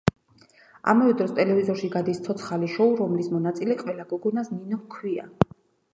ამავე დროს ტელევიზორში გადის ცოცხალი შოუ, რომლის მონაწილე ყველა გოგონას ნინო ჰქვია.